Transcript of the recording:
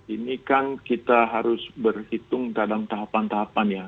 ini kan kita harus berhitung dalam tahapan tahapannya